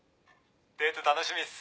デート楽しみっす。